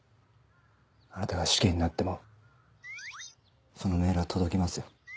あなたが死刑になってもそのメールは届きますよ。